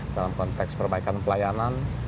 dalam konteks perbaikan pelayanan